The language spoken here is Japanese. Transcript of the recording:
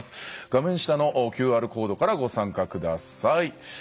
画面下のＱＲコードからご参加下さい。